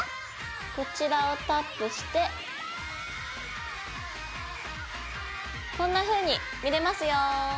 こちらをタップしてこんなふうに見れますよ。